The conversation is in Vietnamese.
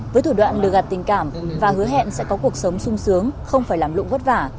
với thủ đoạn lừa gạt tình cảm và hứa hẹn sẽ có cuộc sống sung sướng không phải làm lụng vất vả